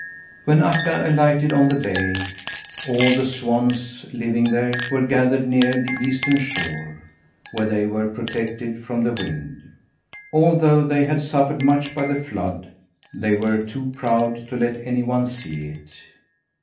When Akka alighted on the bay, all the swans living there were gathered near the eastern shore, where they were protected from the wind. Although they had suffered much by the flood, they were too proud to let any one see it.